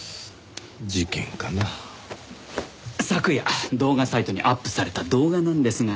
昨夜動画サイトにアップされた動画なんですが。